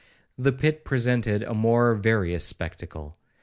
The pit presented a more various spectacle.